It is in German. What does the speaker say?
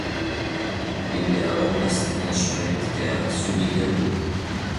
In der Oblast entspringt der Südliche Bug.